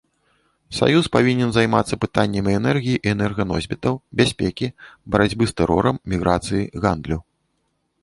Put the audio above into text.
Саюз павінен займацца пытаннямі энергіі і энерганосьбітаў, бяспекі, барацьбы з тэрорам, міграцыі, гандлю.